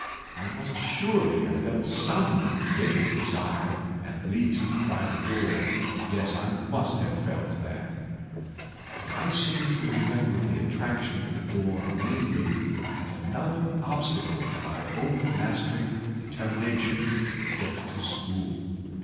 I must surely have felt some little desire at least to try the door—yes, I must have felt that ..... But I seem to remember the attraction of the door mainly as another obstacle to my overmastering determination to get to school.